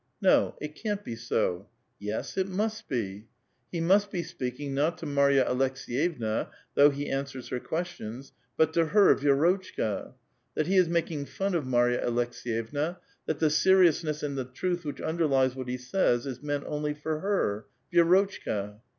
No ; it can't Ihj so ! Yes ; it must be ! he must be speaking, not to Marya Aleks^\vevna, though he answers her ((uestionH, but to her, Vi^Totchka ; that he is making fun of Marva Aleks^vevna ; that the seriousness and the truth which underlies what he says is meant onlj' for her, Vi6 rolohka.